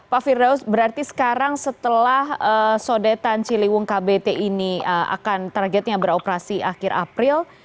pak firdaus berarti sekarang setelah sodetan ciliwung kbt ini akan targetnya beroperasi akhir april